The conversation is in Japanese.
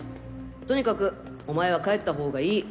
とにかくお前は帰った方がいい。